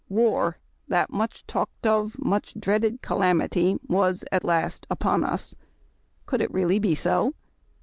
War, that much talked of, much dreaded calamity was at last upon us. Could it really be so